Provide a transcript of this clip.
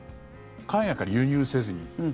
海外から輸入せずに。